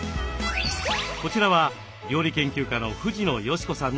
こちらは料理研究家の藤野嘉子さんのお宅です。